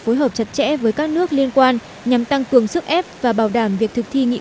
phối hợp chặt chẽ với các nước liên quan nhằm tăng cường sức ép và bảo đảm việc thực thi nghị